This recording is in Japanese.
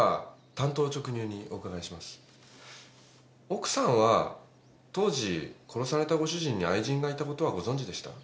奥さんは当時殺されたご主人に愛人がいた事はご存知でした？